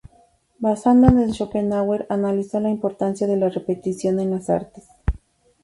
Basándose en Schopenhauer, analizó la importancia de la repetición en las artes.